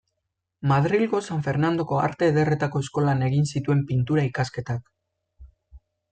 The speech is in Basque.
Madrilgo San Fernandoko Arte Ederretako Eskolan egin zituen Pintura ikasketak.